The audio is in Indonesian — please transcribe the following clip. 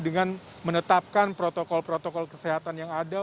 dengan menetapkan protokol protokol kesehatan yang ada